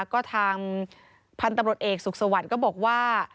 ก็ทางพันธุ์ตำรวจเอกสุขสวรรค์ก็บอกว่า